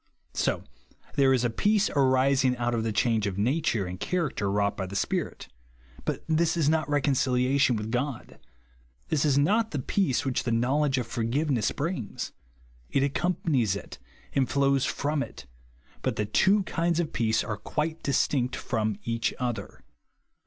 So there is a peace arising out of the change of nature and character wrought by the Spirit ; but this is not reconciliation with God. This is not the peace which the knowledGfe of forgiveness brinc^s. It accom panics it, and flows from it, but the tv/o kinds of peace are quite distinct from each other.